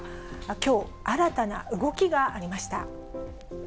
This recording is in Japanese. きょう、新たな動きがありました。